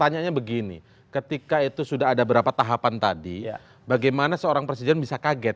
pertanyaannya begini ketika itu sudah ada berapa tahapan tadi bagaimana seorang presiden bisa kaget